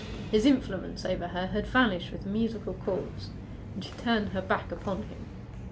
His influence over her had vanished with the musical chords, and she turned her back upon him.